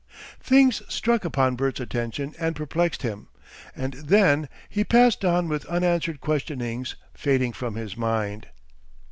Things struck upon Bert's attention and perplexed him, and then he passed on with unanswered questionings fading from his mind.